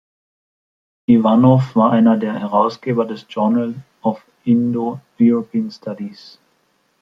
Iwanow war einer der Herausgeber des "Journal of Indo-European Studies.